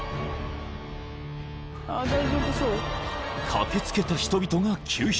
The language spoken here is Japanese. ［駆け付けた人々が救出］